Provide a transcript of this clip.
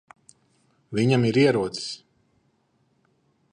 Viņam ir ierocis.